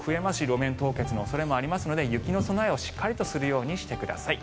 路面凍結の恐れもありますので雪の備えをしっかりとするようにしてください。